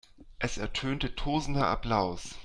Es ertönte tosender Applaus.